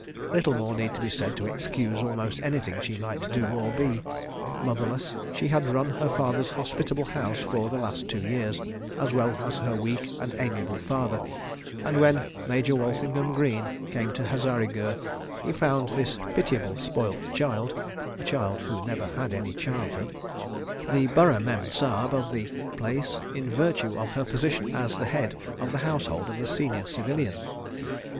Little more need be said to excuse almost anything she might do or be. Motherless, she had run her father's hospitable house for the last two years, as well as her weak and amiable father; and when Major Walsingham Greene came to Hazarigurh he found this pitiable spoilt child (a child who had never had any childhood) the burra mem sahib of the place, in virtue of her position as the head of the household of the Senior Civilian.